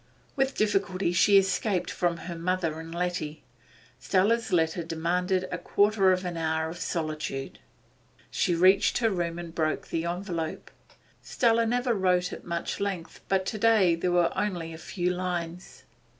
With difficulty she escaped from her mother and Letty; Stella's letter demanded a quarter of an hour of solitude. She reached her room, and broke the envelope. Stella never wrote at much length, but to day there were only a few lines.